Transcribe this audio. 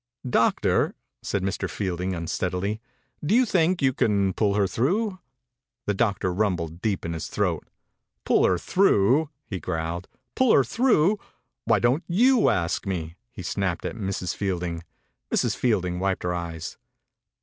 "Doctor," said Mr. Fielding unsteadily, "do you think you can pull her through?" The doctor rumbled deep in his throat. 107 THE INCUBATOR BABY « Pull her through !" he growled. "Pull her through! Why don't you ask me? he snapped at Mrs. Fielding. Mrs. Fielding wiped her eyes.